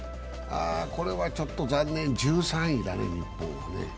これはちょっと残念、１３位だね、日本。